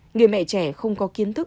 người mẹ trẻ không có kiến thức